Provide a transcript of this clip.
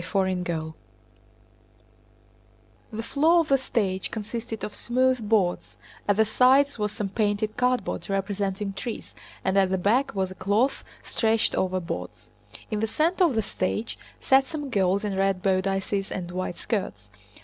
CHAPTER IX The floor of the stage consisted of smooth boards, at the sides was some painted cardboard representing trees, and at the back was a cloth stretched over boards. In the center of the stage sat some girls in red bodices and white skirts.